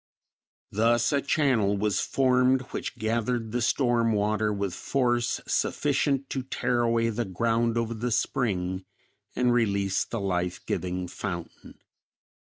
Thus a channel was formed which gathered the storm water with force sufficient to tear away the ground over the spring and release the life giving fountain.